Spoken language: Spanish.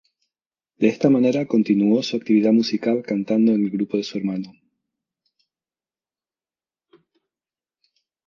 De esta manera, continuó su actividad musical cantando en el grupo de su hermano.